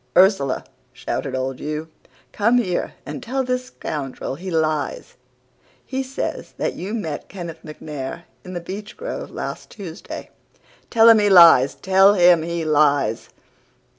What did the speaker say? "'Ursula!' shouted old Hugh, 'come here and tell this scoundrel he lies. He says that you met Kenneth MacNair in the beechgrove last Tuesday. Tell him he lies! Tell him he lies!